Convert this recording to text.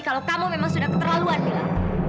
kalau kamu memang sudah keterlaluan mila